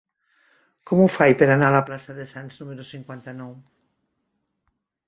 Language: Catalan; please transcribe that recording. Com ho faig per anar a la plaça de Sants número cinquanta-nou?